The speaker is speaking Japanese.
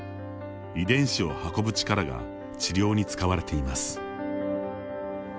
遺伝子を運ぶ力が治療に使われています。